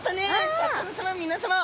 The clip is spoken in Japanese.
シャーク香音さま皆さま。